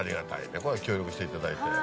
これ協力していただいて。